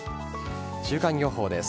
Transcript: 週間予報です。